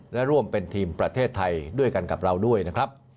และร่วมเป็นทีมประเทศไทยด้วยกันกับเราด้วยนะครับ